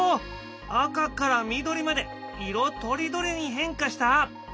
赤から緑まで色とりどりに変化した！